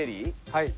はい。